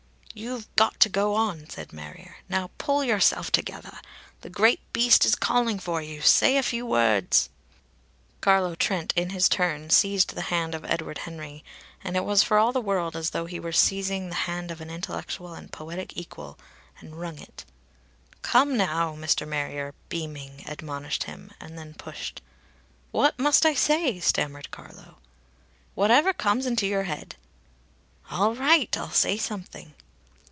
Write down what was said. "You've got to go on," said Marrier. "Now, pull yourself togethah. The Great Beast is calling for you. Say a few wahds." Carlo Trent in his turn seized the hand of Edward Henry, and it was for all the world as though he were seizing the hand of an intellectual and poetic equal, and wrung it. "Come now!" Mr. Marrier, beaming, admonished him, and then pushed. "What must I say?" stammered Carlo. "Whatever comes into your head." "All right! I'll say something."